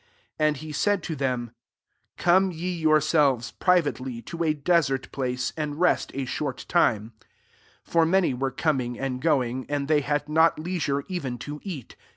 ^1 And he said to them, "Come re yourselves, privately, to a desert place, and rest a short time :'' for many were coming and going, and they had not lei sure even to eat.